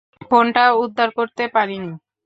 ফোনটা উদ্ধার করতে পারি নি।